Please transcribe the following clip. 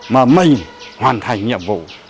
mà mình hoàn thành nhiệm vụ